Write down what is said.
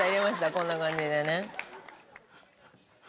こんな感じでね。